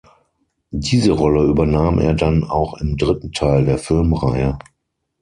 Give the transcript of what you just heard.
Diese Rolle übernahm er dann auch im dritten Teil der Film-Reihe.